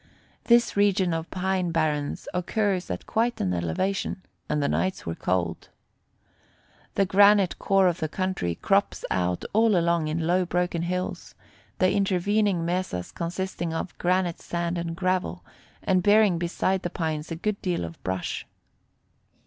This region of pine barrens occurs at quite an elevation, and the nights were cold. The granite core of the country crops out all along in low broken hills, the intervening mesas consisting of granite sand and gravel, and bearing beside the pines a good deal of brush.